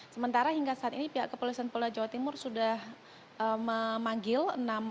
sementara hingga saat ini pihak keperluan polda jawa timur sudah memanggil enam orang